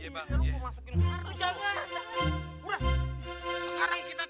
iya bang kardun yang terhormat